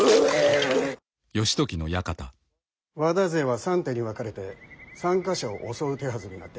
和田勢は三手に分かれて３か所を襲う手はずになってる。